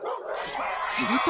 ［すると］